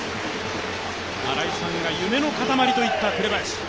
新井さんが夢の塊と言った紅林。